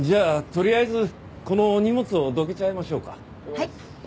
はい。